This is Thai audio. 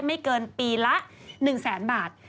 ไม่เกินปีละ๑แสนบาท